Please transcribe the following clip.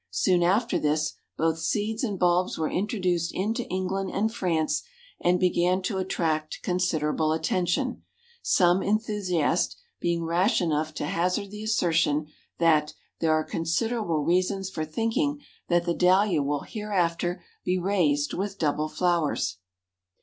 Soon after this, both seeds and bulbs were introduced into England and France, and began to attract considerable attention, some enthusiast being rash enough to hazard the assertion that "there are considerable reasons for thinking that the Dahlia will hereafter be raised with double flowers."